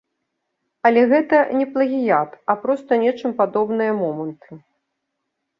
Але гэта не плагіят, а проста нечым падобныя моманты.